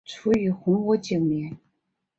卒于洪武九年。